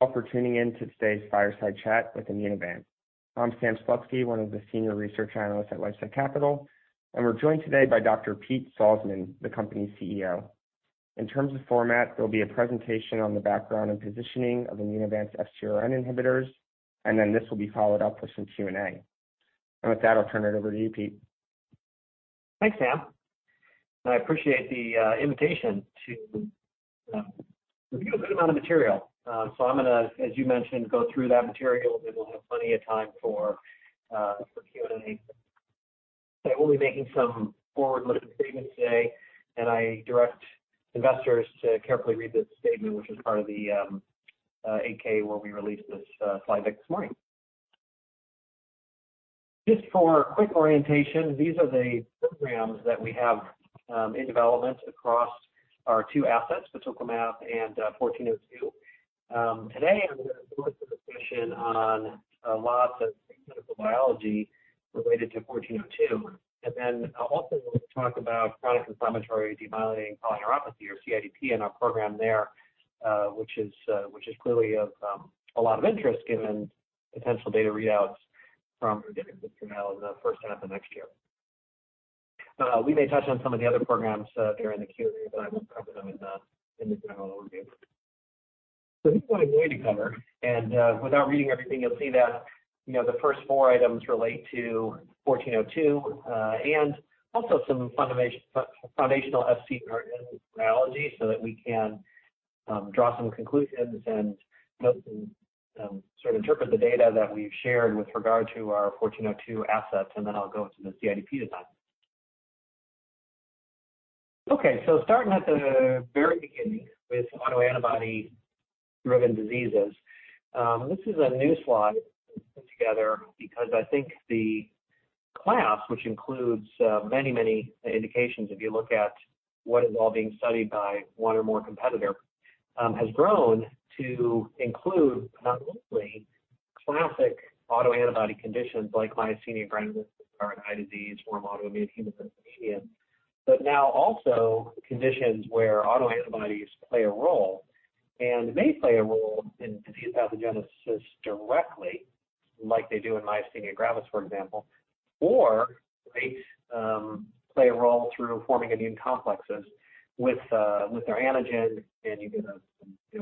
For tuning in to today's fireside chat with Immunovant. I'm Sam Slutsky, one of the senior research analysts at LifeSci Capital, and we're joined today by Dr. Pete Salzmann, the company's CEO. In terms of format, there'll be a presentation on the background and positioning of Immunovant's FcRn inhibitors, and then this will be followed up with some Q&A. With that, I'll turn it over to you, Pete. Thanks, Sam. I appreciate the invitation to review a good amount of material. I'm gonna, as you mentioned, go through that material, then we'll have plenty of time for Q&A. I will be making some forward-looking statements today, and I direct investors to carefully read the statement, which is part of the 8-K when we released this slide deck this morning. Just for quick orientation, these are the programs that we have in development across our two assets, tocilizumab and IMVT-1402. Today I'm gonna focus the discussion on a lot of the clinical biology related to IMVT-1402, and then I'll also talk about chronic inflammatory demyelinating polyneuropathy or CIDP and our program there, which is clearly of a lot of interest given potential data readouts from rozanolixizumab in the first half of next year. We may touch on some of the other programs during the Q&A, but I won't cover them in this general overview. Here's what I'm going to cover, and, without reading everything, you'll see that, you know, the first 4 items relate to 1402, and also some foundational Fc analogy so that we can draw some conclusions and sort of interpret the data that we've shared with regard to our 1402 assets. I'll go into the CIDP design. Starting at the very beginning with autoantibody-driven diseases, this is a new slide put together because I think the class, which includes many, many indications, if you look at what is all being studied by one or more competitor, has grown to include not only classic autoantibody conditions like myasthenia gravis, which is a rare eye disease, or autoimmune hemophagocytic syndrome, but now also conditions where autoantibodies play a role. They play a role in disease pathogenesis directly, like they do in myasthenia gravis, for example, or they play a role through forming immune complexes with their antigen, and you get a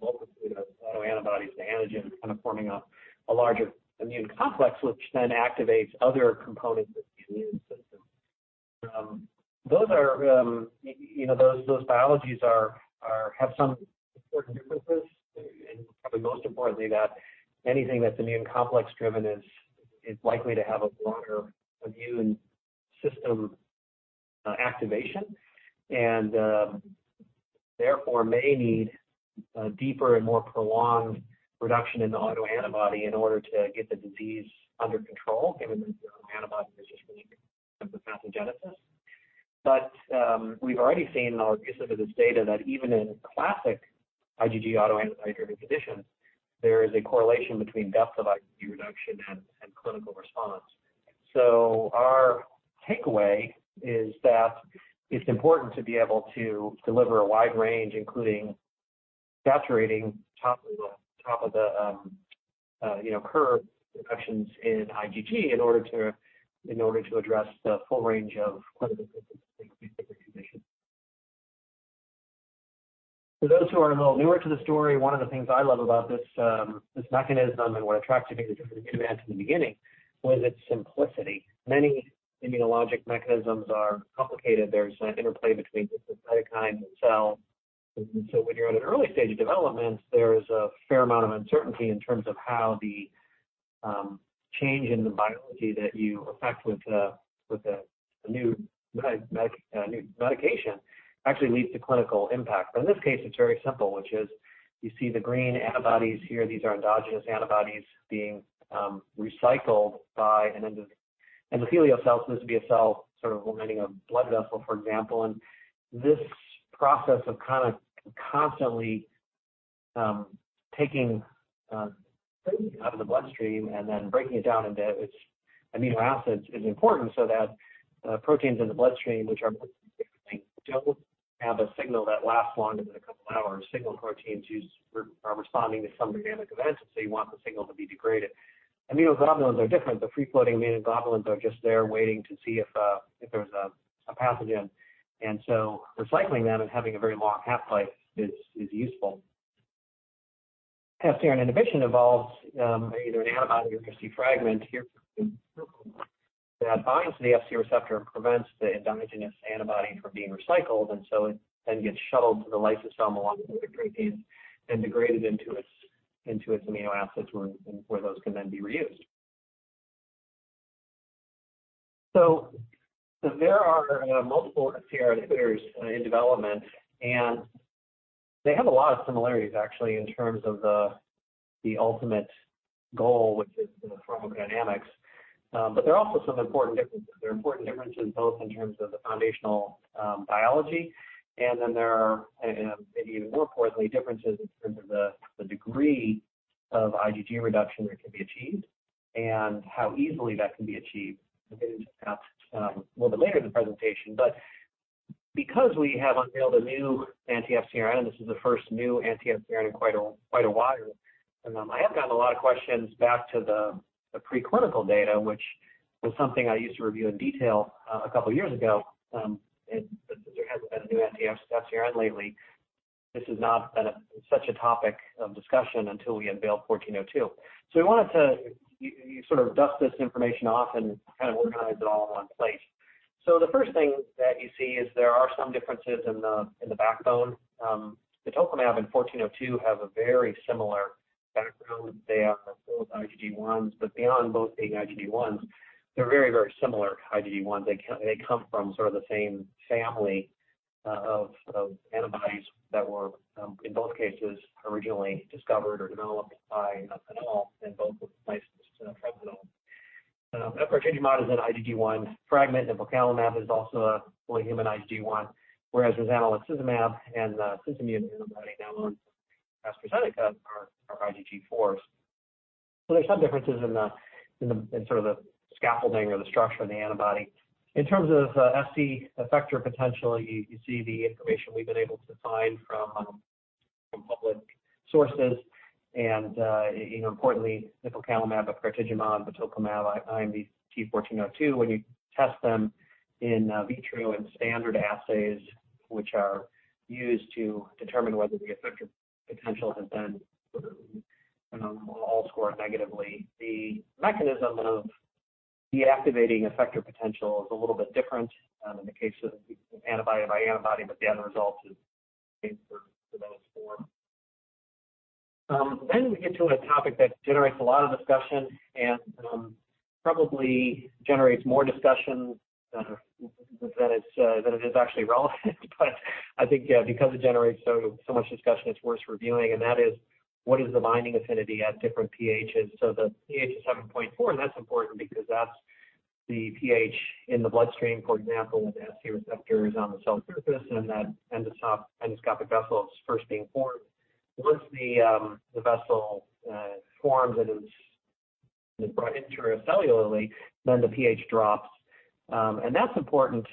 multitude of autoantibodies to antigens kind of forming a larger immune complex, which then activates other components of the immune system. Those are, those biologies have some important differences, and probably most importantly that anything that's immune complex driven is likely to have a longer immune system activation and therefore may need a deeper and more prolonged reduction in the autoantibody in order to get the disease under control, given that the autoantibody is just one of the pathogenesis. We've already seen in our pre-submissive data that even in classic IgG autoantibody-driven conditions, there is a correlation between depth of IgG reduction and clinical response. Our takeaway is that it's important to be able to deliver a wide range, including saturating top of the curve reductions in IgG in order to address the full range of clinical symptoms in these different conditions. For those who are a little newer to the story, one of the things I love about this mechanism and what attracted me to Immunovant in the beginning was its simplicity. Many immunologic mechanisms are complicated. There's an interplay between different cytokines and cells. When you're at an early stage of development, there's a fair amount of uncertainty in terms of how the change in the biology that you affect with a new medication actually leads to clinical impact. In this case, it's very simple, which is you see the green antibodies here. These are endogenous antibodies being recycled by an endothelial cell. This would be a cell sort of lining a blood vessel, for example. This process of kind of constantly taking out of the bloodstream and then breaking it down into its amino acids is important so that proteins in the bloodstream which are Of IgG reduction that can be achieved and how easily that can be achieved. We'll get into that a little bit later in the presentation. Because we have unveiled a new anti-FcRn, and this is the first new anti-FcRn in quite a while, I have gotten a lot of questions back to the pre-clinical data, which was something I used to review in detail a couple years ago. Since there hasn't been a new anti-FcRn lately, this has not been such a topic of discussion until we unveiled 1402. We wanted to sort of dust this information off and kind of organize it all in one place. The first thing that you see is there are some differences in the backbone. The tocilizumab and 1402 have a very similar background. They are both IgG1s, but beyond both being IgG1s, they're very similar IgG1s. They come from sort of the same family of antibodies that were in both cases originally discovered or developed by HanAll Biopharma and both were licensed to Regeneron. Epratuzumab is an IgG1 fragment, nipocalimab is also a fully human IgG1, whereas rozanolixizumab and batoclimab, an antibody now owned by AstraZeneca are IgG4s. There's some differences in sort of the scaffolding or the structure of the antibody. In terms of Fc effector potential, you see the information we've been able to find from public sources. You know, importantly, nipocalimab, epratuzumab, tocilizumab, IMVT-1402, when you test them in vitro in standard assays, which are used to determine whether the effector potential has been sort of, you know, all scored negatively. The mechanism of deactivating effector potential is a little bit different, in the case of antibody by antibody, but the end result is the same for those four. We get to a topic that generates a lot of discussion and probably generates more discussion than it's than it is actually relevant. I think, yeah, because it generates so much discussion, it's worth reviewing, and that is what is the binding affinity at different pHs? The pH is 7.4, and that's important because that's the pH in the bloodstream, for example, with Fc receptors on the cell surface and in that endoscopic vessel that's first being formed. Once the vessel forms and is brought intracellularly, the pH drops. That's important,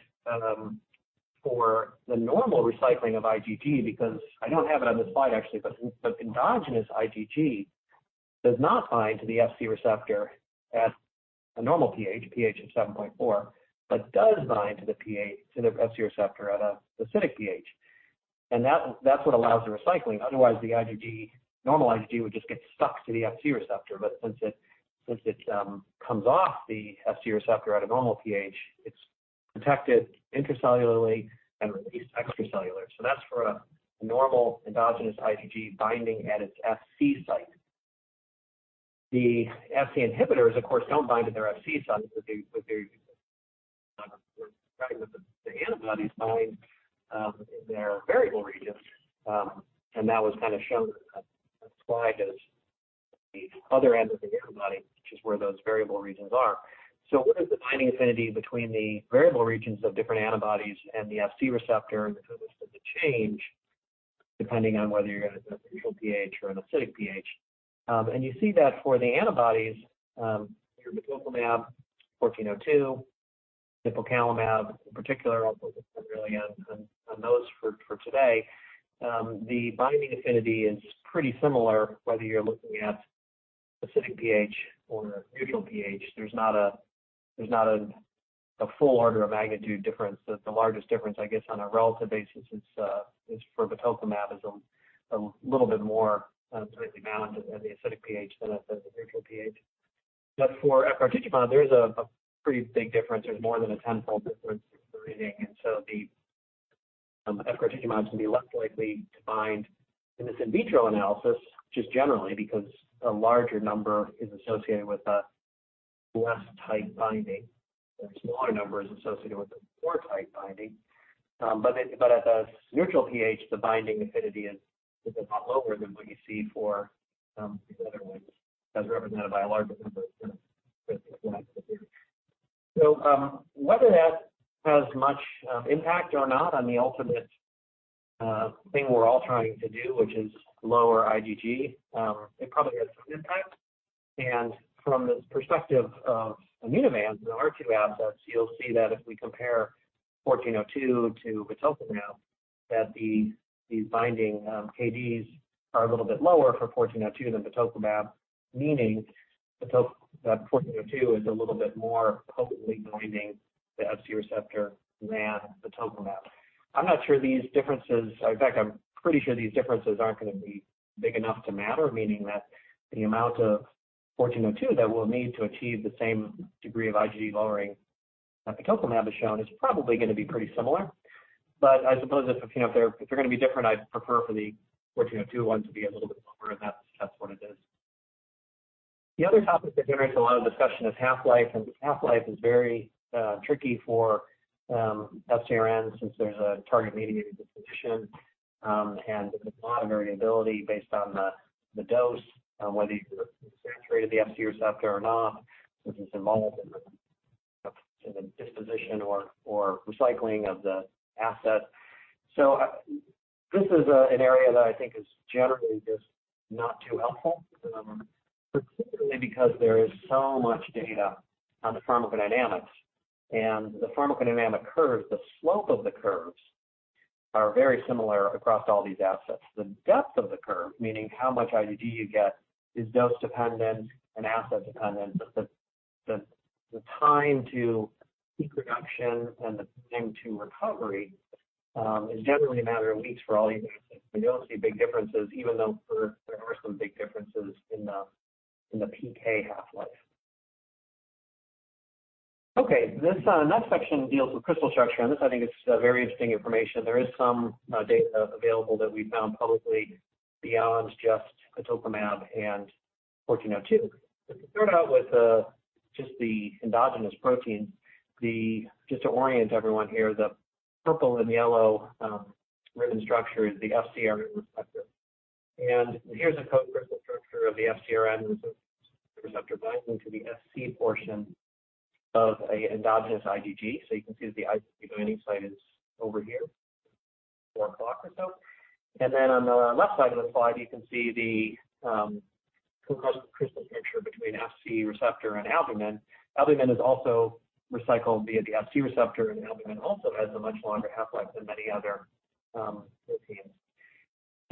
for the normal recycling of IgG because I don't have it on this slide actually, but the endogenous IgG does not bind to the Fc receptor at a normal pH of 7.4, but does bind to the Fc receptor at a acidic pH. That's what allows the recycling. Otherwise, the IgG, normal IgG, would just get stuck to the Fc receptor. Since it comes off the Fc receptor at a normal pH, it's protected intracellularly and released extracellular. That's for a normal endogenous IgG binding at its Fc site. The Fc inhibitors, of course, don't bind to their Fc sites, but they're describing that the antibodies bind in their variable regions. That was kind of shown in that slide as the other end of the antibody, which is where those variable regions are. What is the binding affinity between the variable regions of different antibodies and the Fc receptor, and does it change depending on whether you're at a neutral pH or an acidic pH? You see that for the antibodies, your tocilizumab, IMVT-1402, nipocalimab in particular, I'll focus primarily on those for today. The binding affinity is pretty similar whether you're looking at acidic pH or neutral pH. There's not a full order of magnitude difference. The largest difference, I guess, on a relative basis is for tocilizumab is a little bit more tightly bound at the acidic pH than at the neutral pH. For Epratuzumab, there is a pretty big difference. There's more than a 10-fold difference in the reading. The Epratuzumab can be less likely to bind in this in vitro analysis, just generally because a larger number is associated with a less tight binding and a smaller number is associated with a more tight binding. At the neutral pH, the binding affinity is a lot lower than what you see for these other ones as represented by a larger number with the acidic pH. Whether that has much impact or not on the ultimate thing we're all trying to do, which is lower IgG, it probably has some impact. From the perspective of Immunovant and our two assets, you'll see that if we compare 1402 to tocilizumab, that the binding KDs are a little bit lower for 1402 than tocilizumab, meaning that 1402 is a little bit more potently binding the Fc receptor than tocilizumab. I'm not sure these differences. In fact, I'm pretty sure these differences aren't gonna be big enough to matter, meaning that the amount of 1402 that we'll need to achieve the same degree of IgG lowering that tocilizumab has shown is probably gonna be pretty similar. I suppose if, you know, if they're gonna be different, I'd prefer for the 1402 one to be a little bit lower, and that's what it is. The other topic that generates a lot of discussion is half-life, and half-life is very tricky for FcRn since there's a target-mediated disposition, and there's a lot of variability based on the dose, on whether you've saturated the Fc receptor or not, which is involved in the disposition or recycling of the asset. This is an area that I think is generally just not too helpful, particularly because there is so much data on the pharmacodynamics. The pharmacodynamic curves, the slope of the curves are very similar across all these assets. The depth of the curve, meaning how much IgG you get, is dose-dependent and asset dependent. The time to peak reduction and the time to recovery is generally a matter of weeks for all these assets. We don't see big differences even though there are some big differences in the, in the PK half-life. Okay. This next section deals with crystal structure, and this I think is very interesting information. There is some data available that we found publicly beyond just batoclimab and IMVT-1402. To start out with, just the endogenous protein. Just to orient everyone here, the purple and yellow ribbon structure is the FcRn receptor. Here's a co-crystal structure of the FcRn receptor binding to the Fc portion of a endogenous IgG. You can see that the binding site is over here, 4 o'clock or so. On the left side of the slide, you can see the co-crystal structure between Fc receptor and albumin. Albumin is also recycled via the Fc receptor, albumin also has a much longer half-life than many other proteins.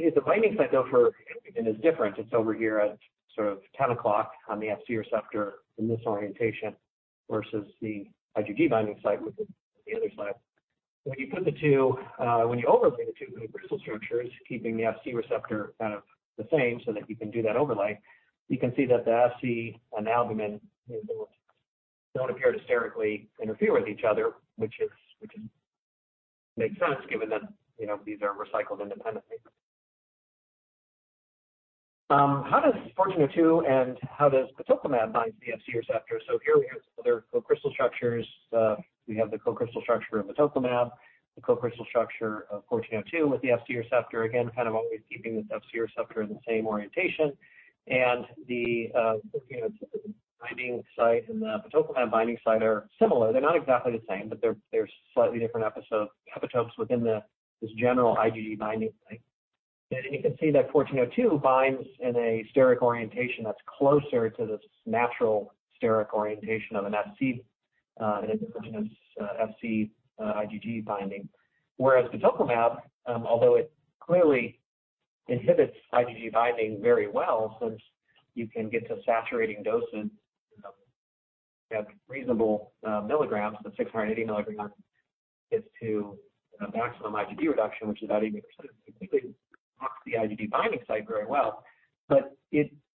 The binding site though for albumin is different. It's over here at sort of 10 o'clock on the Fc receptor in this orientation versus the IgG binding site with the other slide. When you put the two, when you overlay the two crystal structures, keeping the Fc receptor kind of the same so that you can do that overlay, you can see that the Fc and albumin don't appear to sterically interfere with each other, which makes sense given that, you know, these are recycled independently. How does 1402 and how does batoclimab bind to the Fc receptor? Here we have some other co-crystal structures. We have the co-crystal structure of batoclimab, the co-crystal structure of IMVT-1402 with the Fc receptor. Again, kind of always keeping this Fc receptor in the same orientation. You know, binding site and the batoclimab binding site are similar. They're not exactly the same, but they're slightly different epitopes within this general IgG binding site. IMVT-1402 binds in a steric orientation that's closer to this natural steric orientation of an Fc, an endogenous, Fc, IgG binding. Whereas batoclimab, although it clearly inhibits IgG binding very well, since you can get to saturating doses at reasonable milligrams, the 680 milligrams gets to maximum IgG reduction, which is about 80%. It completely blocks the IgG binding site very well.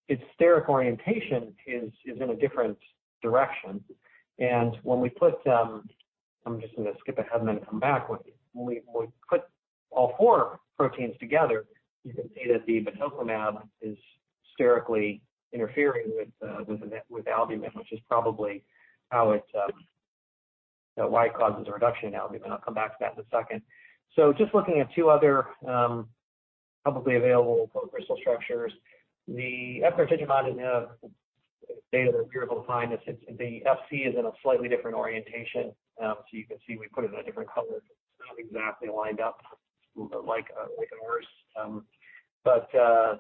Its steric orientation is in a different direction. When we put, I'm just gonna skip ahead and then come back. When we put all four proteins together, you can see that the batoclimab is sterically interfering with albumin, which is probably how it why it causes a reduction in albumin. I'll come back to that in a second. Just looking at two other probably available co-crystal structures. The efgartigimod didn't have data that we were able to find. The Fc is in a slightly different orientation. You can see we put it in a different color. It's not exactly lined up like ours.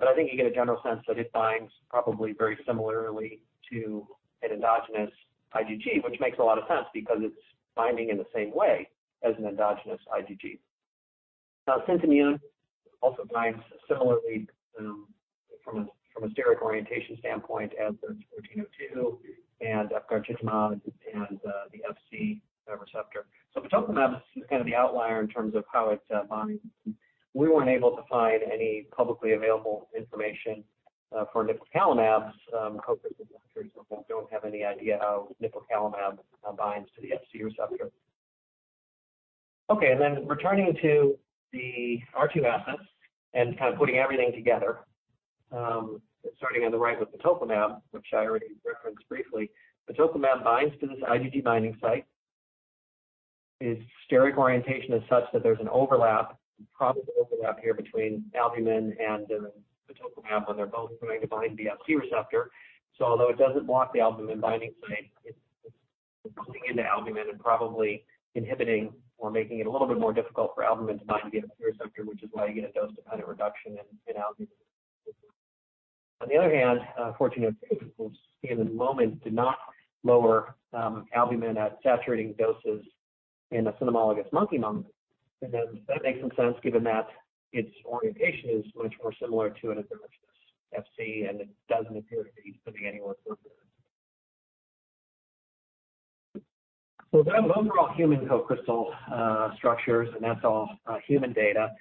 I think you get a general sense that it binds probably very similarly to an endogenous IgG, which makes a lot of sense because it's binding in the same way as an endogenous IgG. Syntimmune also binds similarly from a steric orientation standpoint as does IMVT-1402 and efgartigimod and the Fc receptor. Batoclimab is kind of the outlier in terms of how it binds. We weren't able to find any publicly available information for nipocalimab's co-crystal structures, so we don't have any idea how nipocalimab binds to the Fc receptor. Returning to the R2 assets and kind of putting everything together. Starting on the right with batoclimab, which I already referenced briefly. Batoclimab binds to this IgG binding site. Its steric orientation is such that there's an overlap, probably overlap here between albumin and the batoclimab, and they're both going to bind the Fc receptor. Although it doesn't block the albumin binding site, it's bumping into albumin and probably inhibiting or making it a little bit more difficult for albumin to bind to the Fc receptor, which is why you get a dose to kind of reduction in albumin. On the other hand, IMVT-1402, which we'll see in a moment, did not lower albumin at saturating doses in a cynomolgus monkey model. That makes some sense given that its orientation is much more similar to an endogenous Fc, and it doesn't appear to be putting any more. Those are overall human co-crystal structures, and that's all human data.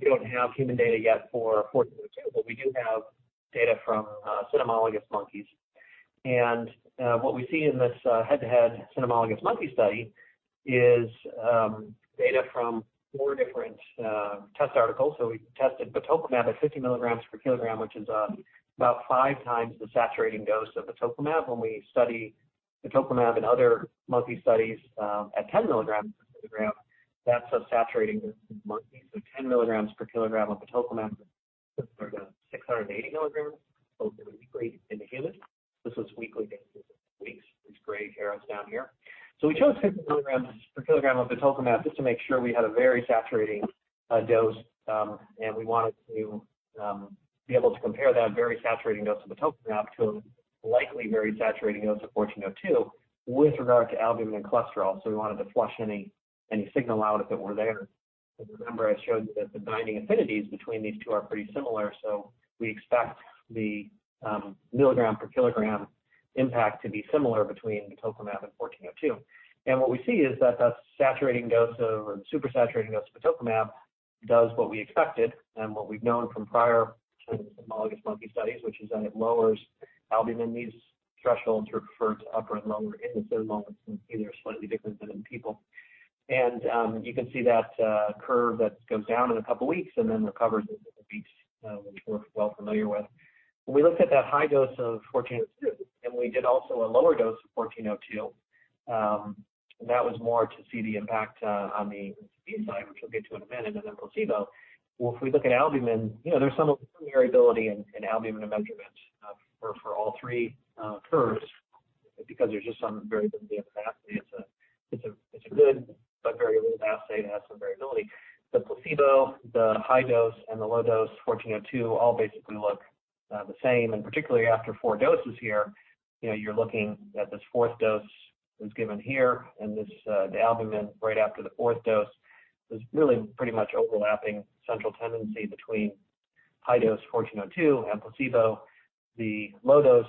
We don't have human data yet for IMVT-1402, but we do have data from cynomolgus monkeys. What we see in this head-to-head cynomolgus monkey study is data from 4 different test articles. We tested batoclimab at 50 milligrams per kilogram, which is about 5 times the saturating dose of batoclimab. When we study batoclimab in other monkey studies, at 10 milligrams per kilogram, that's a saturating dose in monkeys. 10 milligrams per kilogram of batoclimab 680 milligrams of batoclimab in the human. This was weekly doses of weeks, these gray arrows down here. We chose 50 milligrams per kilogram of batoclimab just to make sure we had a very saturating dose, and we wanted to be able to compare that very saturating dose of batoclimab to a likely very saturating dose of IMVT-1402 with regard to albumin and cholesterol. We wanted to flush any signal out if it were there. Because remember I showed you that the binding affinities between these two are pretty similar, so we expect the milligram per kilogram impact to be similar between batoclimab and IMVT-1402. What we see is that that saturating dose of, or super saturating dose of batoclimab does what we expected and what we've known from prior cynomolgus monkey studies, which is that it lowers albumin. These thresholds refer to upper and lower in the cynomolgus monkey. They're slightly different than in people. You can see that curve that goes down in 2 weeks and then recovers in weeks, which we're well familiar with. When we looked at that high dose of 1402, and we did also a lower dose of 1402, and that was more to see the impact on the V side, which we'll get to in a minute, and then placebo. If we look at albumin, you know, there's some variability in albumin measurement, for all 3 curves because there's just some variability of the assay. It's a good but very old assay. It has some variability. The placebo, the high dose, and the low dose 1402 all basically look the same. Particularly after 4 doses here, you know, you're looking at this 4th dose that was given here, and this the albumin right after the 4th dose was really pretty much overlapping central tendency between high dose IMVT-1402 and placebo. The low dose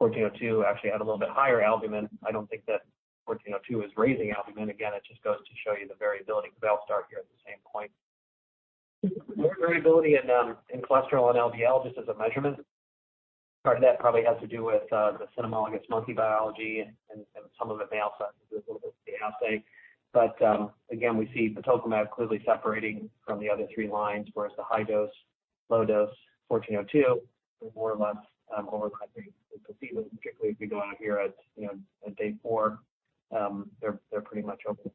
IMVT-1402 actually had a little bit higher albumin. I don't think that IMVT-1402 is raising albumin. Again, it just goes to show you the variability. They all start here at the same point. There's variability in cholesterol and LDL just as a measurement. Part of that probably has to do with the cynomolgus monkey biology and some of it may also have to do a little bit with the assay. Again, we see batoclimab clearly separating from the other three lines, whereas the high dose, low dose 1402 are more or less overlapping with the placebo. Particularly if we go out here at, you know, at day 4, they're pretty much overlapping.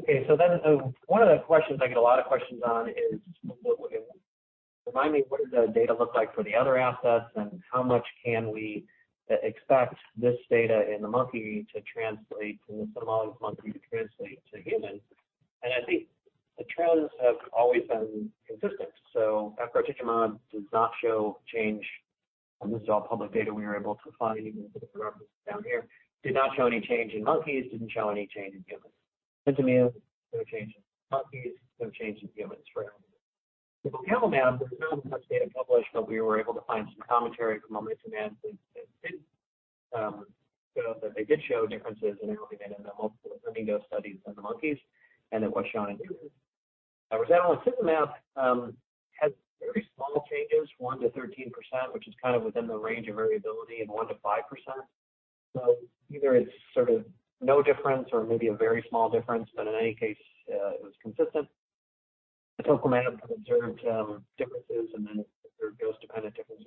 Okay. One of the questions I get a lot of questions on is, well, remind me what does the data look like for the other assets, and how much can we expect this data in the monkey to translate, in the cynomolgus monkey to translate to humans? I think the trends have always been consistent. Efgartigimod does not show change. This is all public data we were able to find and put the references down here. Did not show any change in monkeys, didn't show any change in humans. Bentamere, no change in monkeys, no change in humans for albumin. Nipocalimab, there's no published data published, but we were able to find some commentary from a nipocalimab that did show that they did show differences in albumin in the multiple early dose studies in the monkeys and that was shown in humans. Risatlinib has very small changes, 1%-13%, which is kind of within the range of variability in 1%-5%. Either it's sort of no difference or maybe a very small difference, but in any case, it was consistent. batoclimab observed differences and then observed dose-dependent differences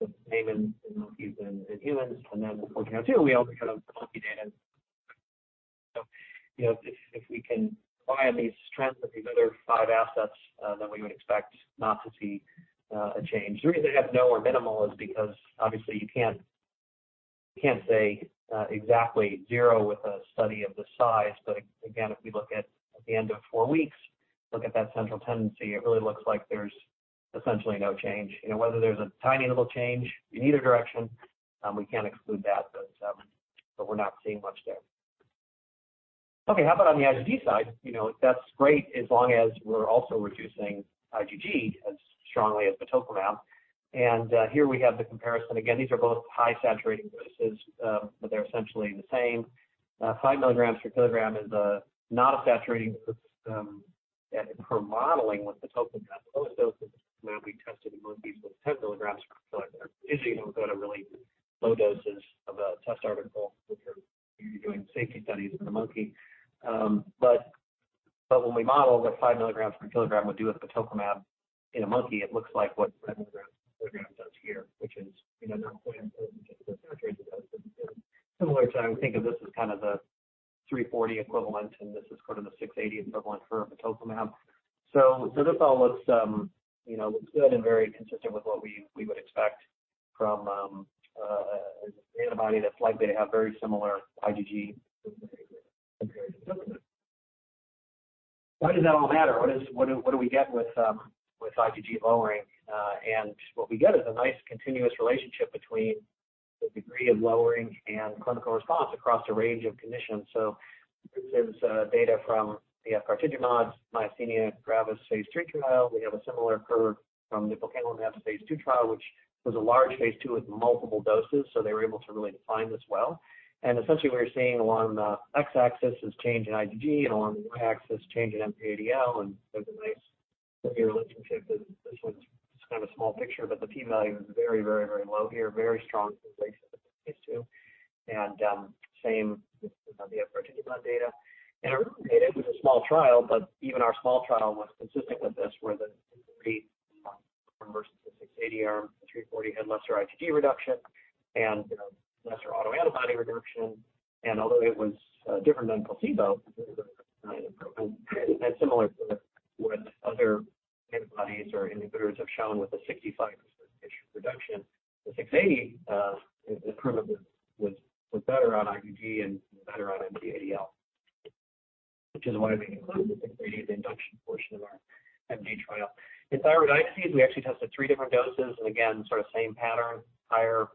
with the same in monkeys and in humans. With IMVT-1402, we only have the monkey data. You know, if we can rely on these trends with these other five assets, then we would expect not to see a change. The reason they have no or minimal is because obviously you can't say exactly 0 with a study of this size. Again, if we look at the end of 4 weeks, look at that central tendency, it really looks like there's essentially no change. You know, whether there's a tiny little change in either direction, we can't exclude that, but we're not seeing much there. How about on the IgG side? You know, that's great as long as we're also reducing IgG as strongly as batoclimab. Here we have the comparison. Again, these are both high saturating doses, but they're essentially the same. 5 milligrams per kilogram is not a saturating dose. Per modeling what the batoclimab low dose is the amount we tested in monkeys with 10 milligrams per kilo. If you go to really low doses of a test article, you're doing safety studies in the monkey. But when we model what 5 milligrams per kilogram would do with batoclimab in a monkey, it looks like what 7 milligrams per kilogram does here, which is, you know, not quite as good as getting the saturated dose. Similar to I would think of this as kind of the 340 equivalent, and this is kind of the 680 equivalent for batoclimab. This all looks, you know, looks good and very consistent with what we would expect from an antibody that's likely to have very similar IgG. Why does that all matter? What do we get with IgG lowering? What we get is a nice continuous relationship between the degree of lowering and clinical response across a range of conditions. This is data from the efgartigimod myasthenia gravis phase 3 trial. We have a similar curve from nipocalimab phase 2 trial, which was a large phase 2 with multiple doses, so they were able to really define this well. Essentially, what you're seeing along the x-axis is change in IgG and along the y-axis change in MG-ADL, and there's a nice linear relationship. This one's just kind of a small picture, but the P value is very, very, very low here, very strong correlation with phase 2. Same with the efgartigimod data. I know it was a small trial, but even our small trial was consistent with this, where the degree from versus the 680 arm, 340 had lesser IgG reduction and, you know, lesser autoantibody reduction. Although it was different than placebo, and similar to what other antibodies or inhibitors have shown with a 65% issue reduction, the 680 is proven with better on IgG and better on MG-ADL. Which is why we included the 680 in the induction portion of our MG trial. In thyroiditis, we actually tested three different doses. Again, sort of same pattern, higher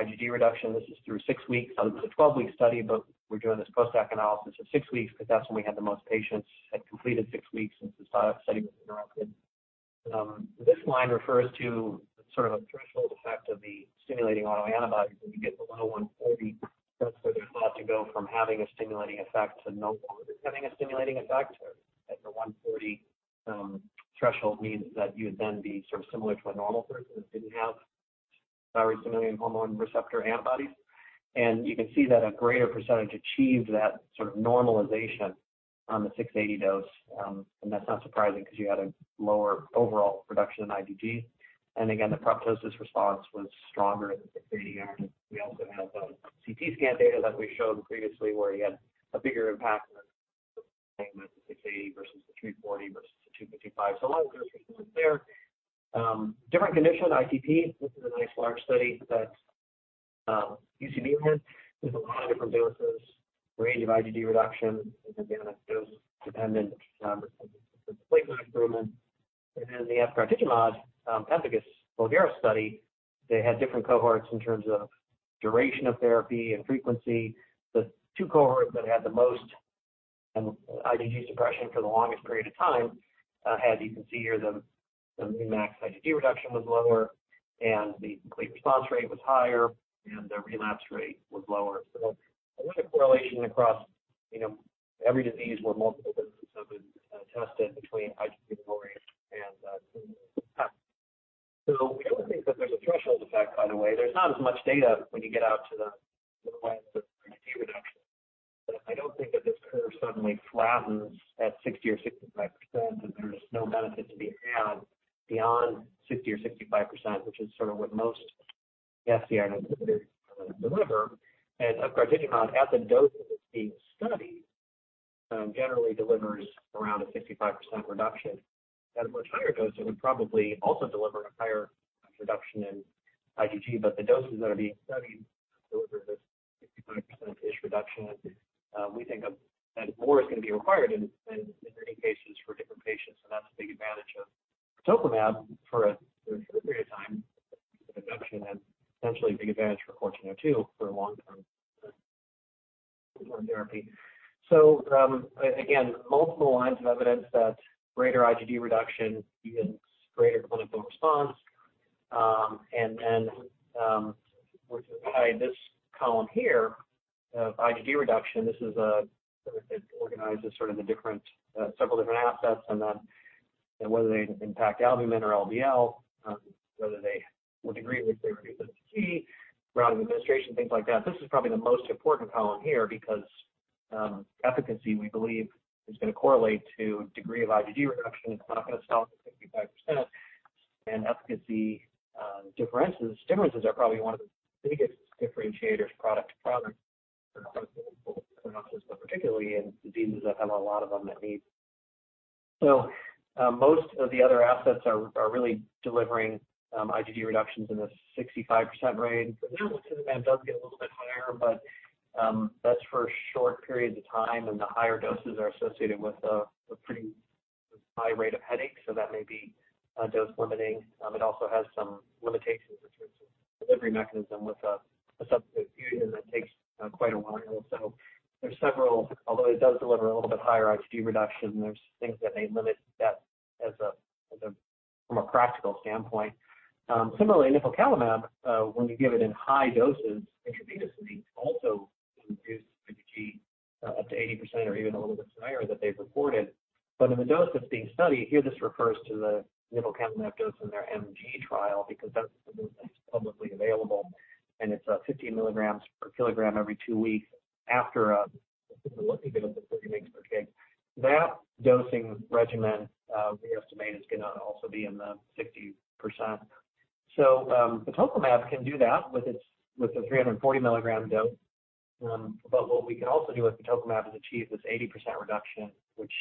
IgG reduction. This is through 6 weeks of the 12-week study. We're doing this post-hoc analysis at 6 weeks because that's when we had the most patients that completed 6 weeks since the start of study was interrupted. This line refers to sort of a threshold effect of the stimulating autoantibodies. When you get below 140, that's where they're thought to go from having a stimulating effect to no longer having a stimulating effect. At the 140, threshold means that you'd then be sort of similar to a normal person that didn't have thyroid-stimulating hormone receptor antibodies. You can see that a greater % achieved that sort of normalization on the 680 dose. That's not surprising because you had a lower overall reduction in IgG. Again, the apoptosis response was stronger in the 680 arm. We also have CT scan data that we showed previously, where you had a bigger impact than the 680 versus the 340 versus the 255. A lot of good results there. Different condition, ITP. This is a nice large study that UCB had with a lot of different doses, range of IgG reduction, and again, a dose-dependent platelet improvement. The Upartimab Pemphigus Vulgaris study, they had different cohorts in term s of duration of therapy and frequency. The two cohorts that had the most IgG suppression for the longest period of time had, you can see here, the new max IgG reduction was lower, and the complete response rate was higher, and the relapse rate was lower. A linear correlation across, you know, every disease where multiple doses have been tested between high therapeutic load and. We don't think that there's a threshold effect, by the way. There's not as much data when you get out to the lands of pretty reduction. I don't think that this curve suddenly flattens at 60% or 65%, and there's no benefit to be had beyond 60% or 65%, which is sort of what most FcRn inhibitors deliver. batoclimab at the dose that it's being studied generally delivers around a 65% reduction. At a much higher dose, it would probably also deliver a higher reduction in IgG, but the doses that are being studied deliver this 65%-ish reduction. We think of that more is going to be required in treating patients for different patients. That's a big advantage of tocilizumab for a period of time, induction, and potentially a big advantage for IMVT-1402 for long-term therapy. Again, multiple lines of evidence that greater IgG reduction yields greater clinical response. We're providing this column here of IgG reduction. This is sort of organized as the different, several different assets and then whether they impact albumin or LDL, what degree which they reduce IgG, route of administration, things like that. This is probably the most important column here because, efficacy, we believe, is gonna correlate to degree of IgG reduction. It's not gonna stop at 65%. Efficacy, differences are probably one of the biggest differentiators product to product but particularly in diseases that have a lot of unmet need. Most of the other assets are really delivering IgG reductions in the 65% range. The nipocalimab does get a little bit higher, but that's for short periods of time, and the higher doses are associated with a pretty high rate of headaches, so that may be dose limiting. It also has some limitations in terms of delivery mechanism with a subcutaneous infusion that takes quite a while. Although it does deliver a little bit higher IgG reduction, there's things that may limit that from a practical standpoint. Similarly, nipocalimab, when you give it in high doses intravenously, also can reduce IgG, up to 80% or even a little bit higher that they've reported. In the dose that's being studied, here this refers to the nipocalimab dose in their MG trial because that's the dose that's publicly available, and it's 15 milligrams per kilogram every 2 weeks after looking at it for 3 weeks per week. That dosing regimen, we estimate is gonna also be in the 60%. The tocilizumab can do that with the 340 milligram dose. What we can also do with the tocilizumab is achieve this 80% reduction, which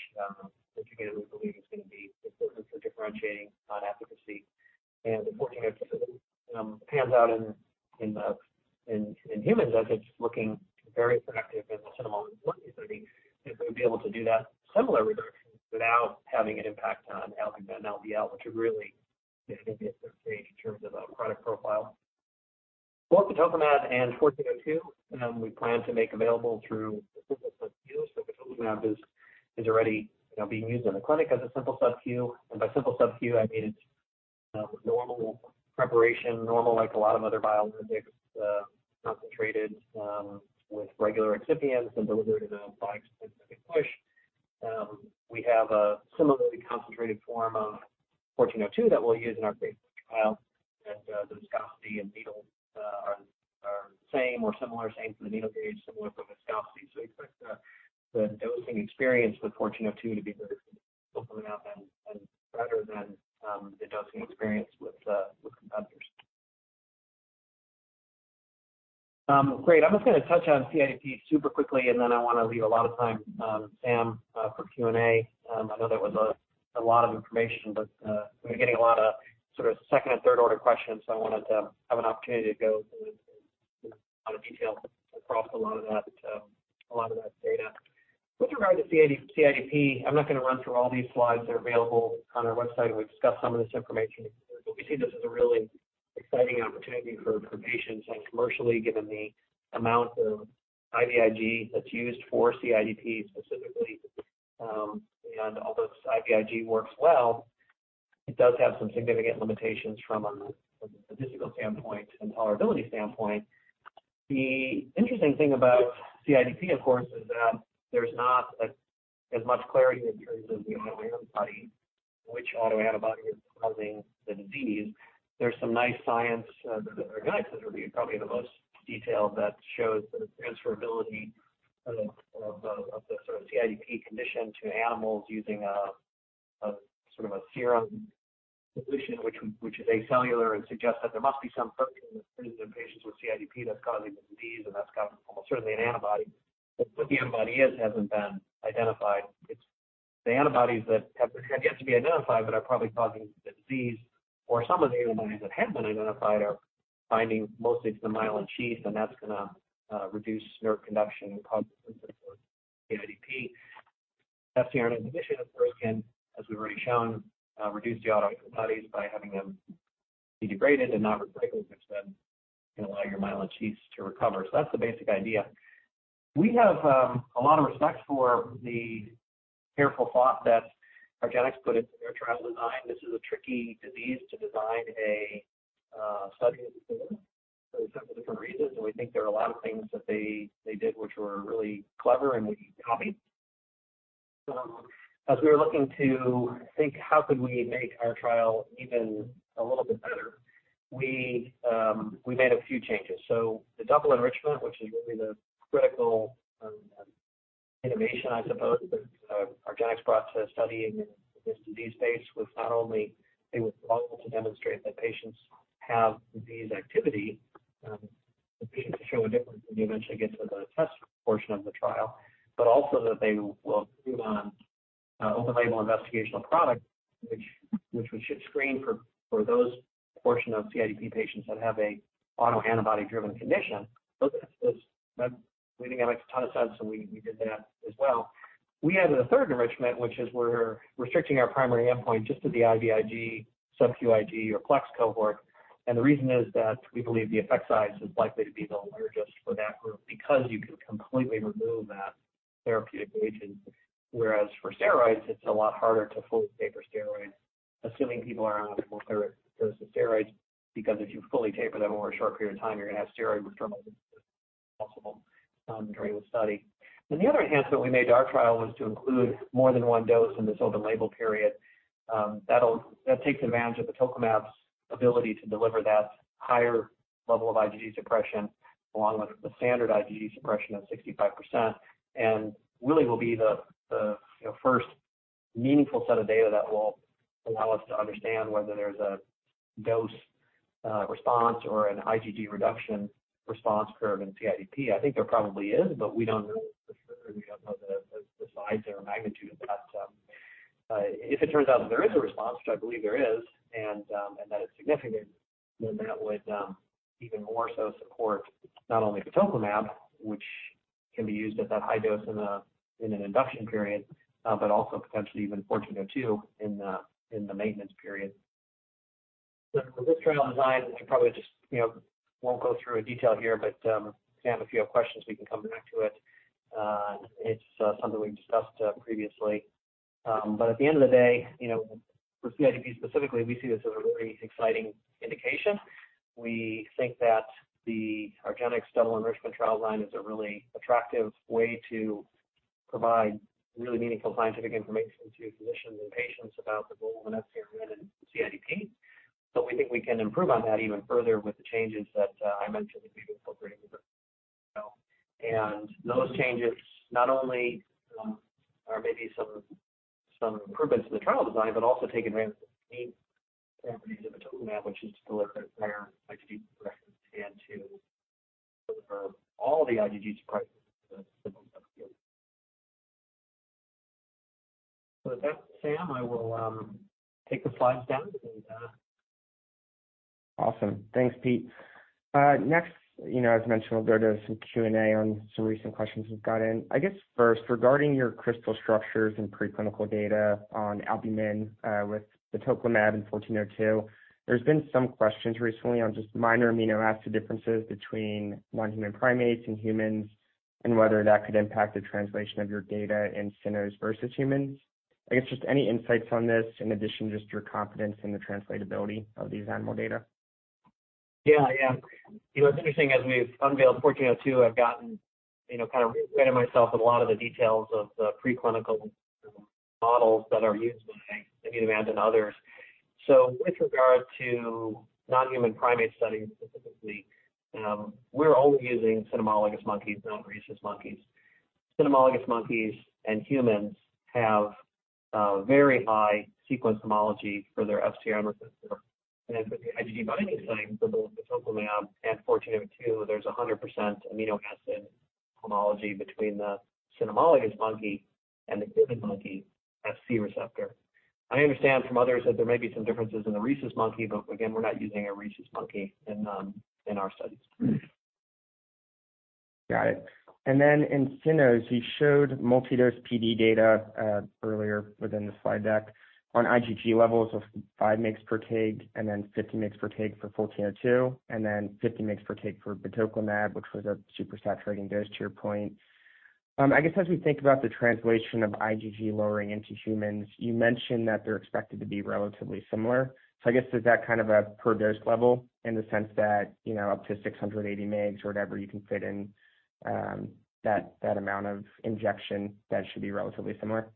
indicated we believe is gonna be the difference for differentiating on efficacy. If IMVT-1402 pans out in humans, I think it's looking very productive. The cynos one is going to be able to do that similar reduction without having an impact on albumin and LDL, which is really significant in terms of a product profile. Both the tocilizumab and IMVT-1402, we plan to make available through the simple sub-Q. The tocilizumab is already, you know, being used in the clinic as a simple sub-Q. And by simple sub-Q, I mean it's normal preparation, normal like a lot of other biologics, concentrated with regular excipients and delivered in a epispecifique push. We have a similarly concentrated form of IMVT-1402 that we'll use in our phase one trial. The viscosity and needle. Same or similar thing for the needle gauge, similar for the scalp. We expect the dosing experience with 1402 to be very similar to tocilizumab and better than the dosing experience with competitors. Great. I'm just gonna touch on CIDP super quickly, and then I wanna leave a lot of time, Sam, for Q&A. I know that was a lot of information, we've been getting a lot of sort of second and third order questions, so I wanted to have an opportunity to go through a lot of detail across a lot of that, a lot of that data. With regard to CIDP, I'm not gonna run through all these slides. They're available on our website, and we've discussed some of this information. We see this as a really exciting opportunity for patients and commercially, given the amount of IVIG that's used for CIDP specifically. Although IVIG works well, it does have some significant limitations from a statistical standpoint and tolerability standpoint. The interesting thing about CIDP, of course, is that there's not as much clarity in terms of the autoantibody, which autoantibody is causing the disease. There's some nice science that our guides have reviewed, probably the most detailed, that shows the transferability of the sort of CIDP condition to animals using a sort of a serum solution which is acellular and suggests that there must be some protein that's present in patients with CIDP that's causing the disease, and that's got almost certainly an antibody. What the antibody is hasn't been identified. It's the antibodies that have yet to be identified but are probably causing the disease or some of the antibodies that have been identified are binding mostly to the myelin sheath, and that's gonna reduce nerve conduction and cause symptoms of CIDP. FcRn inhibition, of course, can, as we've already shown, reduce the autoantibodies by having them be degraded and not recycled, which then can allow your myelin sheaths to recover. That's the basic idea. We have a lot of respect for the careful thought that argenx put into their trial design. This is a tricky disease to design a study for some different reasons. We think there are a lot of things that they did which were really clever, and we copied. As we were looking to think, how could we make our trial even a little bit better, we made a few changes. The double enrichment, which is really the critical innovation, I suppose, that argenx brought to studying in this disease space, was not only it was possible to demonstrate that patients have disease activity, but being able to show a difference when you eventually get to the test portion of the trial, but also that they will improve on open label investigational product, which we should screen for those portion of CIDP patients that have a autoantibody-driven condition. That's that we think makes a ton of sense, and we did that as well. We added a third enrichment, which is we're restricting our primary endpoint just to the IVIG, subQIg, or flex cohort. The reason is that we believe the effect size is likely to be the largest for that group because you can completely remove that therapeutic agent. Whereas for steroids, it's a lot harder to fully taper steroids, assuming people are on multiple doses of steroids, because if you fully taper them over a short period of time, you're gonna have steroid withdrawal symptoms possible during the study. The other enhancement we made to our trial was to include more than one dose in this open label period. That takes advantage of the tocilizumab's ability to deliver that higher level of IgG suppression along with the standard IgG suppression of 65%. Really will be the, you know, first meaningful set of data that will allow us to understand whether there's a dose response or an IgG reduction response curve in CIDP. I think there probably is, but we don't know for sure. We don't know the size or magnitude of that. If it turns out that there is a response, which I believe there is, and that is significant, then that would even more so support not only tocilizumab, which can be used at that high dose in an induction period, but also potentially even IMVT-1402 in the maintenance period. For this trial design, I should probably just, you know, won't go through in detail here, but Sam, if you have questions, we can come back to it. It's something we've discussed previously. At the end of the day, you know, for CIDP specifically, we see this as a really exciting indication. We think that the argenx double enrichment trial design is a really attractive way to provide really meaningful scientific information to physicians and patients about the role of an FcRn in CIDP. We think we can improve on that even further with the changes that I mentioned that we've incorporated with the trial. Those changes not only are maybe some improvements to the trial design, but also take advantage of the unique properties of tocilimab, which is to deliver a higher IgG suppression and to deliver all the IgGs, right, to the sub-Q. With that, Sam, I will take the slides down. Awesome. Thanks, Pete. Next, you know, as mentioned, we'll go to some Q&A on some recent questions we've gotten. I guess first, regarding your crystal structures and preclinical data on albumin, with tocilizumab and 1402, there's been some questions recently on just minor amino acid differences between non-human primates and humans, and whether that could impact the translation of your data in cynos versus humans. I guess just any insights on this, in addition, just your confidence in the translatability of these animal data. Yeah. Yeah. You know, it's interesting, as we've unveiled 1402, I've gotten, you know, kind of reacquainted myself with a lot of the details of the preclinical models that are used by Immunomedics and others. With regard to non-human primate studies specifically, we're only using cynomolgus monkeys, not rhesus monkeys. Cynomolgus monkeys and humans have very high sequence homology for their FcRn receptor. With the IgG binding studies for both batoclimab and 1402, there's 100% amino acid homology between the cynomolgus monkey and the rhesus monkey Fc receptor. I understand from others that there may be some differences in the rhesus monkey, again, we're not using a rhesus monkey in our studies. Got it. In cynos, you showed multi-dose PD data earlier within the slide deck on IgG levels of 5 mgs per kg and then 50 mgs per kg for 1402, and then 50 mgs per kg for batoclimab, which was a super saturating dose to your point. I guess as we think about the translation of IgG lowering into humans, you mentioned that they're expected to be relatively similar. I guess is that kind of a per dose level in the sense that, you know, up to 680 mgs or whatever you can fit in, that amount of injection that should be relatively similar?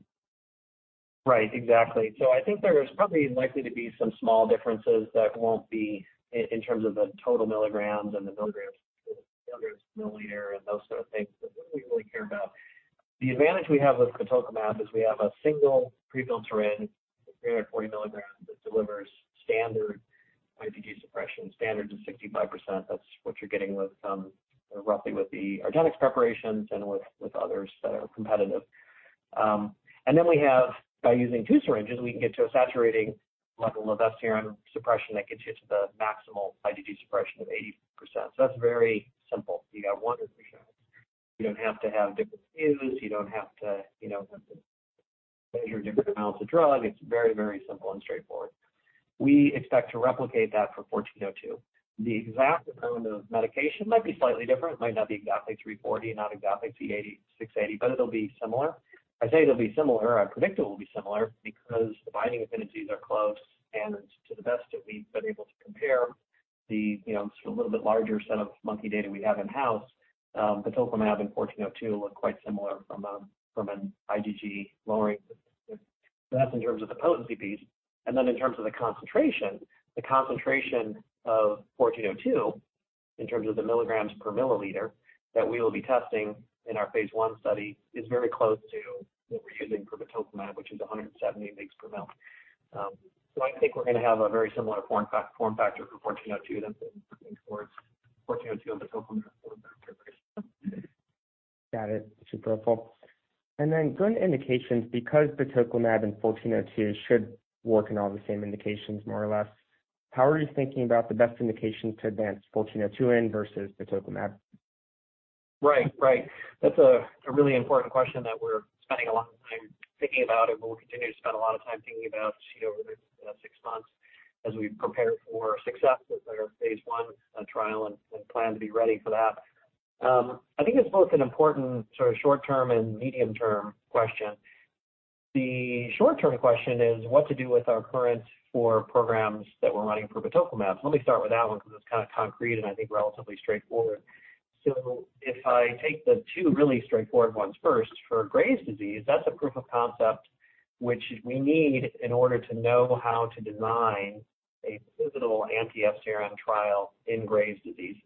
Right. Exactly. I think there is probably likely to be some small differences that won't be in terms of the total milligrams and the milligrams per milliliter and those sort of things that we don't really care about. The advantage we have with batoclimab is we have a single prefilled syringe, 340 milligrams that delivers standard IgG suppression. Standard is 65%. That's what you're getting with, roughly with the argenx preparations and with others that are competitive. We have by using 2 syringes, we can get to a saturating level of FcRn suppression that gets you to the maximal IgG suppression of 80%. That's very simple. You got 1 or 2 shots. You don't have to have different syringes. You don't have to, you know, measure different amounts of drug. It's very simple and straightforward. We expect to replicate that for 1402. The exact amount of medication might be slightly different. It might not be exactly 340, not exactly 680, but it'll be similar. I say it'll be similar. I predict it will be similar because the binding affinities are close, and to the best that we've been able to compare the, you know, a little bit larger set of monkey data we have in-house, batoclimab and 1402 look quite similar from a, from an IgG lowering perspective. That's in terms of the potency piece. In terms of the concentration, the concentration of 1402 in terms of the milligrams per milliliter that we will be testing in our phase 1 study is very close to what we're using for batoclimab, which is 170 mgs per ml. I think we're gonna have a very similar form factor for 1402 then as we're moving towards 1402 and batoclimab form factor preparation. Got it. Super helpful. Then going to indications, because batoclimab and IMVT-1402 should work in all the same indications more or less, how are you thinking about the best indications to advance IMVT-1402 in versus batoclimab? Right. Right. That's a really important question that we're spending a lot of time thinking about and we'll continue to spend a lot of time thinking about, you know, over the next six months as we prepare for success with our phase 1 trial and plan to be ready for that. I think it's both an important sort of short term and medium term question. The short term question is what to do with our current four programs that we're running for batoclimab. Let me start with that one because it's kind of concrete and I think relatively straightforward. If I take the two really straightforward ones first, for Graves' disease, that's a proof of concept which we need in order to know how to design a pivotal anti-FcRn trial in Graves' disease.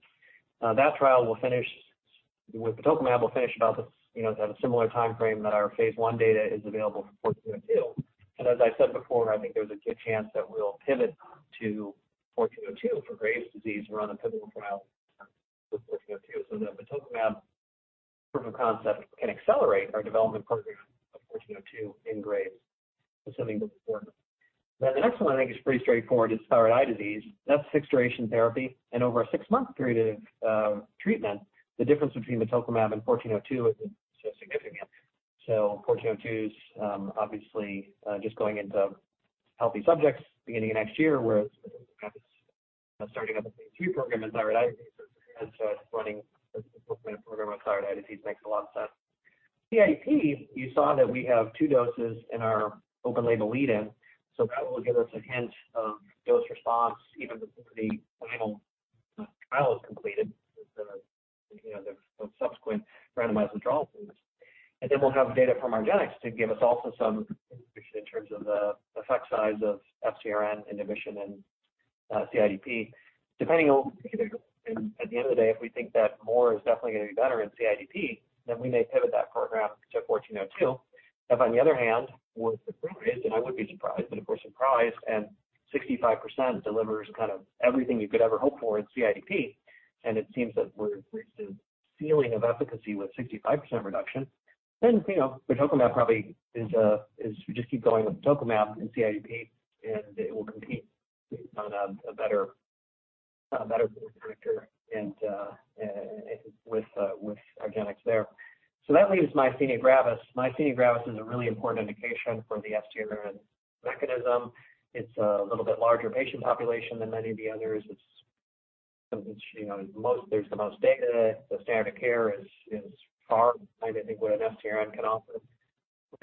That trial will finish... With batoclimab, we'll finish about the, you know, at a similar time frame that our phase I data is available for IMVT-1402. As I said before, I think there's a good chance that we'll pivot to IMVT-1402 for Graves' disease, run a pivotal trial with IMVT-1402 so that batoclimab proof of concept can accelerate our development program of IMVT-1402 in Graves', assuming that's important. The next one I think is pretty straightforward is thyroid eye disease. That's fixed duration therapy and over a 6-month period of treatment, the difference between batoclimab and IMVT-1402 isn't so significant. IMVT-1402's obviously just going into healthy subjects beginning of next year, whereas batoclimab is starting up a phase II program in thyroid eye disease. Running a phase 2 program on thyroid eye disease makes a lot of sense. CIDP, you saw that we have two doses in our open label lead-in, so that will give us a hint of dose response even before the final trial is completed with the, you know, the subsequent randomized withdrawal phase. Then we'll have data from argenx to give us also some information in terms of the effect size of FcRn inhibition in CIDP. At the end of the day, if we think that more is definitely gonna be better in CIDP, then we may pivot that program to 1402. On the other hand, we're surprised, and I would be surprised, but if we're surprised and 65% delivers kind of everything you could ever hope for in CIDP, and it seems that we've reached a ceiling of efficacy with 65% reduction, you know, batoclimab probably is we just keep going with batoclimab in CIDP, and it will compete on a better proof of predictor and with argenx there. That leaves myasthenia gravis. Myasthenia gravis is a really important indication for the FcRn mechanism. It's a little bit larger patient population than many of the others. It's, you know, there's the most data. The standard of care is far, I think, what an FcRn can offer.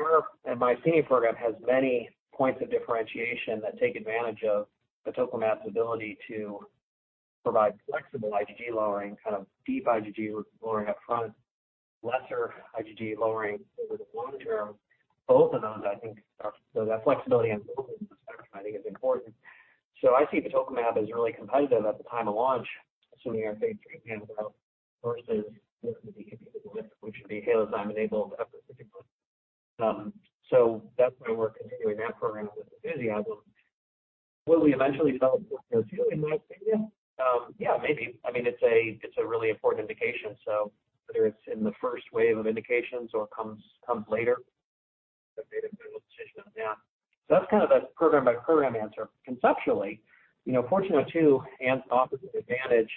Our myasthenia program has many points of differentiation that take advantage of batoclimab's ability to provide flexible IgG lowering, kind of deep IgG lowering upfront, lesser IgG lowering over the long term. Both of those, I think that flexibility on both ends of the spectrum, I think is important. I see batoclimab as really competitive at the time of launch, assuming our phase 3 pans out versus 1402, which would be Halozyme-enabled epispecifique. That's why we're continuing that program with enthusiasm. Will we eventually develop 1402 in myasthenia? Yeah, maybe. I mean, it's a really important indication. Whether it's in the first wave of indications or it comes later, we'll have made a clinical decision on that. That's kind of a program-by-program answer. Conceptually, you know, IMVT-1402 has an opposite advantage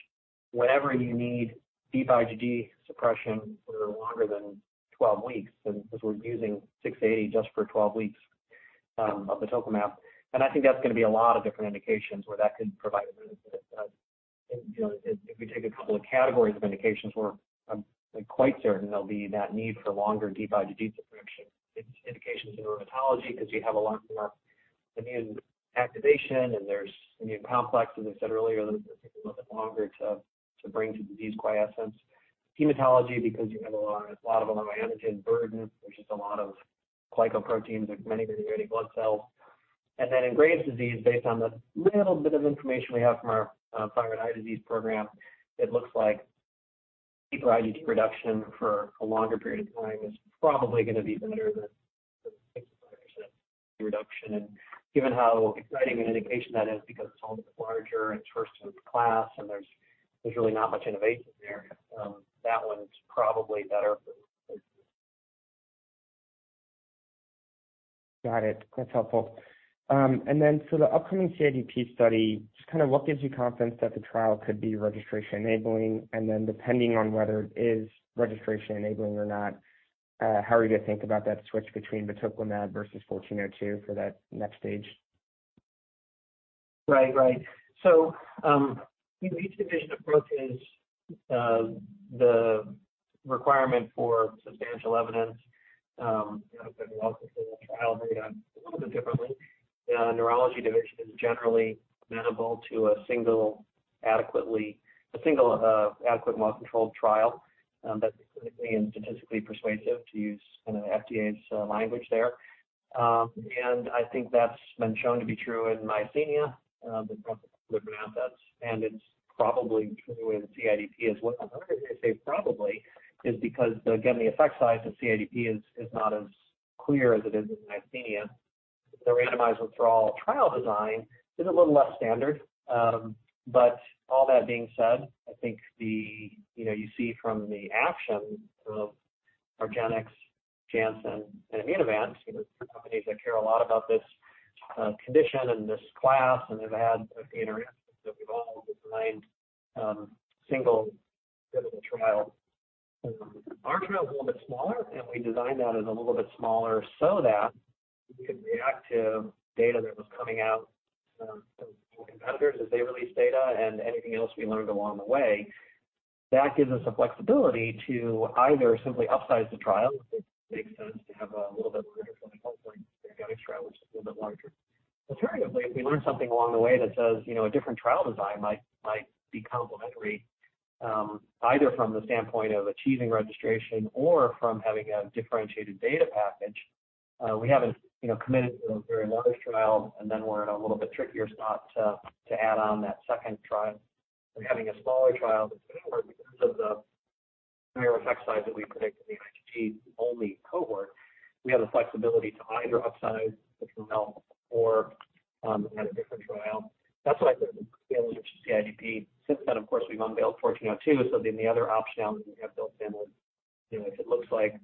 whenever you need deep IgG suppression for longer than 12 weeks because we're using 6 to 8 just for 12 weeks of batoclimab. I think that's gonna be a lot of different indications where that could provide a benefit of, you know... If we take a couple of categories of indications where I'm quite certain there'll be that need for longer deep IgG suppression. It's indications in rheumatology because you have a lot more immune activation, and there's immune complexes I said earlier that take a little bit longer to bring to disease quiescence. Hematology, because you have a lot of allogeneic burden. There's just a lot of glycoproteins with many, many, many blood cells. In Graves' disease, based on the little bit of information we have from our thyroid eye disease program, it looks like deeper IgG reduction for a longer period of time is probably gonna be better than the 65% reduction. Given how exciting an indication that is because it's a little bit larger and it's first in class, there's really not much innovation there. That one's probably better for 1402. Got it. That's helpful. For the upcoming CIDP study, just kind of what gives you confidence that the trial could be registration enabling? Depending on whether it is registration enabling or not, how are you going to think about that switch between batoclimab versus 1402 for that next stage? Right. Right. Each division approaches the requirement for substantial evidence, you know, for the well-controlled trial data a little bit differently. The neurology division is generally amenable to a single adequate well-controlled trial that's clinically and statistically persuasive to use kind of FDA's language there. I think that's been shown to be true in myasthenia with our delivered assets, and it's probably true in CIDP as well. The reason I say probably is because, again, the effect size of CIDP is not as clear as it is in myasthenia. The randomized withdrawal trial design is a little less standard. All that being said, I think the... You know, you see from the action of sGenex, Janssen, and Immunovant, you know, three companies that care a lot about this condition and this class, and they've had a few interactions that we've all designed single pivotal trial. Our trial is a little bit smaller, and we designed that as a little bit smaller so that we could react to data that was coming out from competitors as they release data and anything else we learned along the way. That gives us the flexibility to either simply upsize the trial, which makes sense to have a little bit larger from a hopefully sGenex trial, which is a little bit larger. Alternatively, if we learn something along the way that says, you know, a different trial design might be complementary, either from the standpoint of achieving registration or from having a differentiated data package, we haven't, you know, committed to a very large trial, and then we're in a little bit trickier spot to add on that second trial. Having a smaller trial that's going to work because of the primary effect size that we predict in the IgG-only cohort, we have the flexibility to either upsize the trial or add a different trial. That's why I said we're fairly interested in CIDP. Since then, of course, we've unveiled 1402. The other option now that we have built in is, you know, if it looks like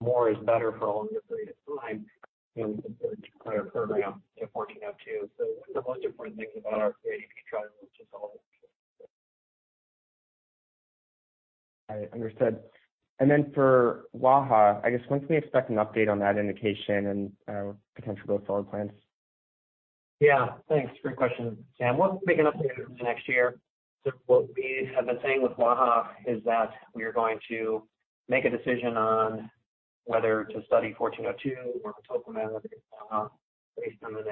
more is better for a longer period of time, then we can pivot the entire program to 1402. One of the most important things about our CIDP trial is we're just all in. I understood. For WAHA, I guess when can we expect an update on that indication and potential go-forward plans? Yeah. Thanks. Great question, Sam. We'll make an update in the next year. What we have been saying with WAHA is that we are going to make a decision on whether to study 1402 or batoclimab in WAHA based on an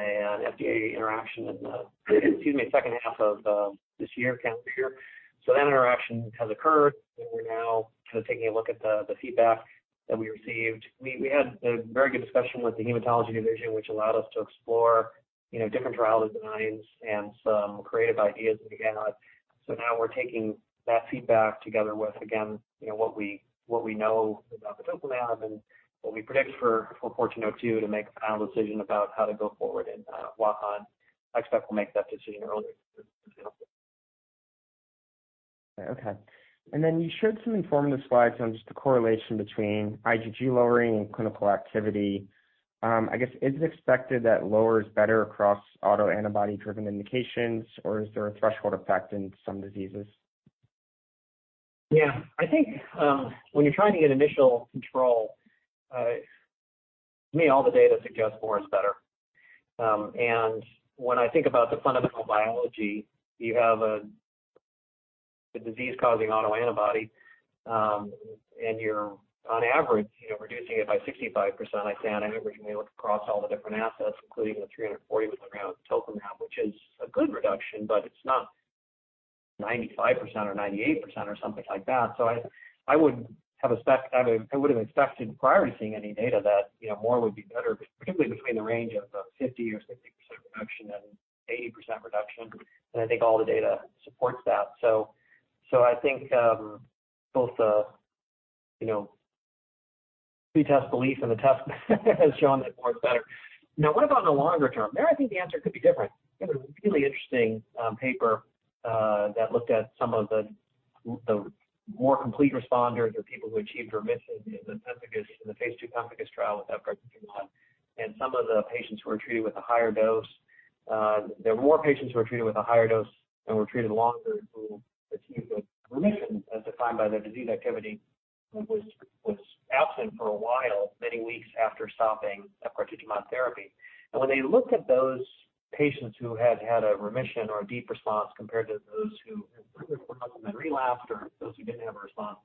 FDA interaction in the, excuse me, second half of this year, calendar year. That interaction has occurred, and we're now kind of taking a look at the feedback that we received. We had a very good discussion with the hematology division, which allowed us to explore, you know, different trial designs and some creative ideas that we had. Now we're taking that feedback together with, again, you know, what we know about batoclimab and what we predict for 1402 to make a final decision about how to go forward in WAHA. I expect we'll make that decision early next year. Okay. Then you showed some informative slides on just the correlation between IgG lowering and clinical activity. I guess is it expected that lower is better across autoantibody-driven indications, or is there a threshold effect in some diseases? I think, when you're trying to get initial control, to me, all the data suggests more is better. When I think about the fundamental biology, you have The disease causing autoantibody, and you're on average, you know, reducing it by 65%. I say on average, when you look across all the different assets, including the 340 with the ground tocilizumab, which is a good reduction, but it's not 95% or 98% or something like that. I would, I would have expected prior to seeing any data that, you know, more would be better, but particularly between the range of 50% or 60% reduction and 80% reduction. I think all the data supports that. I think, both the, you know, pretest belief and the test has shown that more is better. What about in the longer term? There, I think the answer could be different. There was a really interesting paper that looked at some of the more complete responders or people who achieved remission in the Pemphigus, in the phase 2 Pemphigus trial with batoclimab. Some of the patients who were treated with a higher dose, there were more patients who were treated with a higher dose and were treated longer who achieved a remission as defined by their disease activity, which was absent for a while, many weeks after stopping batoclimab therapy. When they looked at those patients who had had a remission or a deep response compared to those who improved and then relapsed or those who didn't have a response,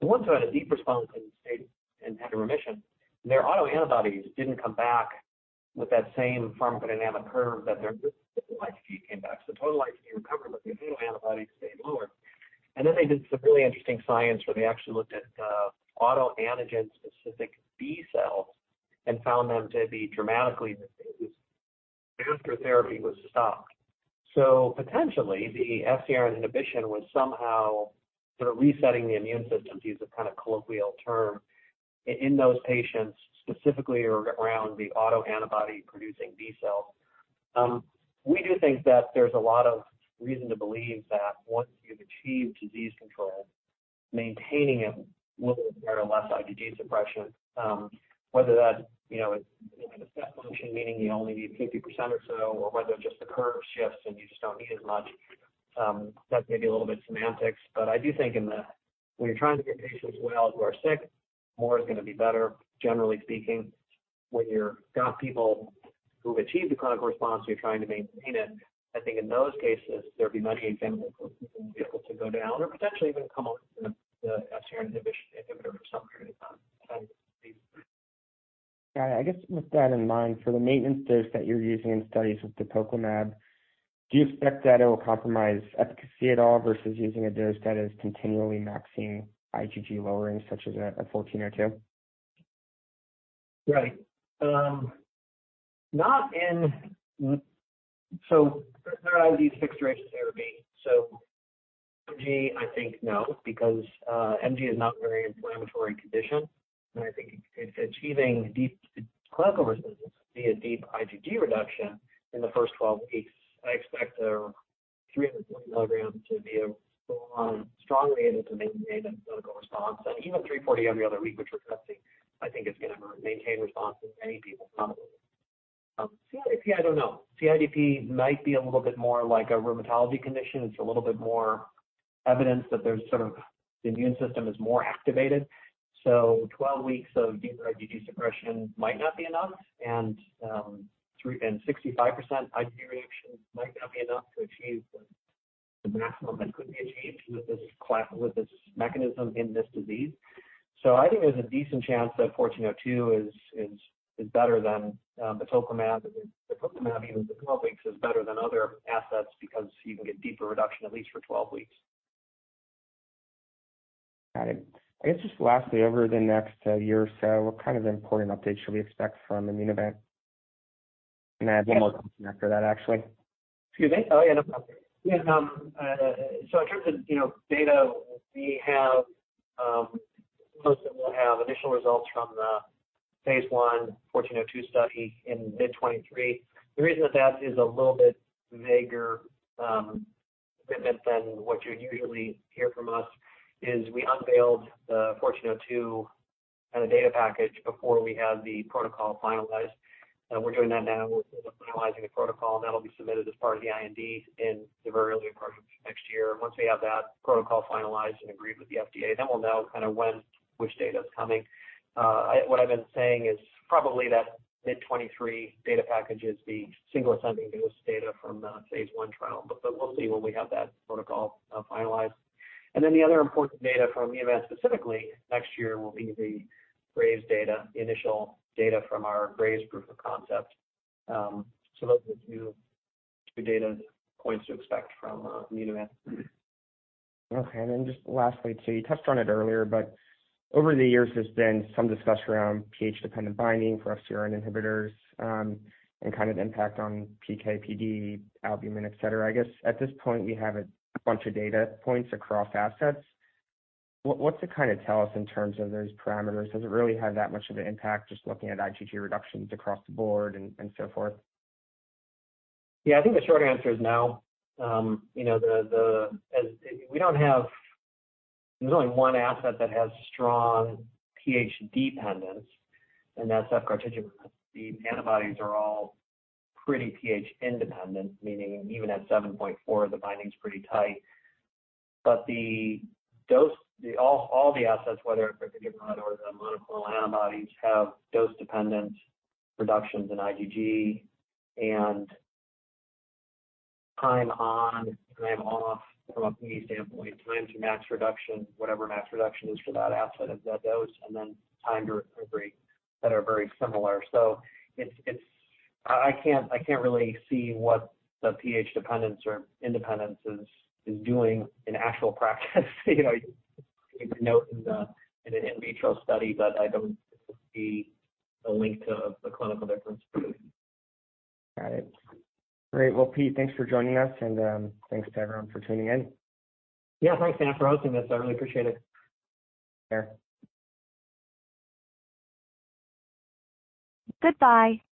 the ones who had a deep response and stayed and had a remission, their autoantibodies didn't come back with that same pharmacodynamic curve that their total IgG came back. The total IgG recovered, but the autoantibodies stayed lower. They did some really interesting science where they actually looked at autoantigen-specific B cells and found them to be dramatically diminished after therapy was stopped. Potentially, the FcR inhibition was somehow sort of resetting the immune system, to use a kind of colloquial term, in those patients specifically around the autoantibody producing B cells. We do think that there's a lot of reason to believe that once you've achieved disease control, maintaining it will require less IgG suppression. Whether that, you know, is a step function, meaning you only need 50% or so, or whether just the curve shifts, and you just don't need as much, that's maybe a little bit semantics. I do think when you're trying to get patients well who are sick, more is gonna be better, generally speaking. When you're got people who've achieved a clinical response, you're trying to maintain it, I think in those cases, there'd be many examples where people would be able to go down or potentially even come off the FcR inhibitor at some period of time. Got it. I guess with that in mind, for the maintenance dose that you're using in studies with the tocilizumab, do you expect that it will compromise efficacy at all versus using a dose that is continually maxing IgG lowering, such as a 1402? Right. There are these fixed-duration therapy. MG, I think no, because MG is not a very inflammatory condition. I think if achieving deep clinical responses via deep IgG reduction in the first 12 weeks, I expect the 340 milligrams to be a strong reason to maintain a clinical response. Even 340 every other week, which we're testing, I think is gonna maintain response in many people probably. CIDP, I don't know. CIDP might be a little bit more like a rheumatology condition. It's a little bit more evidence that there's sort of the immune system is more activated. 12 weeks of deeper IgG suppression might not be enough. Sixty-five percent IgG reaction might not be enough to achieve the maximum that could be achieved with this mechanism in this disease. I think there's a decent chance that 1402 is better than the tocilizumab. The tocilizumab, even the 12 weeks, is better than other assets because you can get deeper reduction at least for 12 weeks. Got it. I guess just lastly, over the next year or so, what kind of important updates should we expect from Immunovant? Can I add one more after that, actually? Excuse me. Oh, yeah. No, problem. In terms of, you know, data we have, suppose that we'll have initial results from the phase I IMVT-1402 study in mid-2023. The reason that that is a little bit vaguer commitment than what you would usually hear from us is we unveiled the IMVT-1402 kinda data package before we had the protocol finalized. We're doing that now. We're finalizing the protocol, and that'll be submitted as part of the IND in the very early part of next year. Once we have that protocol finalized and agreed with the FDA, then we'll know kinda when which data is coming. What I've been saying is probably that mid-2023 data package is the single ascending dose data from the phase I trial. We'll see when we have that protocol finalized. The other important data from Immunovant specifically next year will be the Graves' disease data, the initial data from our Graves' disease proof of concept. Those are the two data points to expect from Immunovant. Just lastly, you touched on it earlier, over the years, there's been some discussion around pH-dependent binding for FCRN inhibitors, and kind of impact on PK/PD, albumin, et cetera. I guess at this point, you have a bunch of data points across assets. What's it kind of tell us in terms of those parameters? Does it really have that much of an impact just looking at IgG reductions across the board and so forth? Yeah. I think the short answer is no. You know, there's only one asset that has strong pH dependence, and that's upcarticimab. The antibodies are all pretty pH independent, meaning even at 7.4, the binding's pretty tight. The dose, all the assets, whether it's upcarticimab or the monoclonal antibodies, have dose-dependent reductions in IgG and time on, time off from a PD standpoint, time to max reduction, whatever max reduction is for that asset at that dose, and then time to recovery that are very similar. It's, I can't really see what the pH dependence or independence is doing in actual practice. You know, you can note in the, in an in vitro study, but I don't see a link to the clinical difference. Got it. Great. Well, Pete, thanks for joining us, and thanks to everyone for tuning in. Yeah. Thanks, Sam, for hosting this. I really appreciate it. Sure. Goodbye.